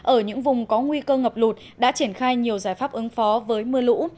ở những vùng có nguy cơ ngập lụt đã triển khai nhiều giải pháp ứng phó với mưa lũ